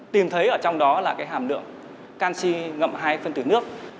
tìm thấy ở trong đó là cái hàm lượng canxi ngậm hai phân tử nước